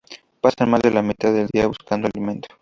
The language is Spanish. Pasan más de la mitad del día buscando alimento.